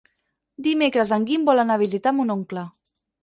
Dimecres en Guim vol anar a visitar mon oncle.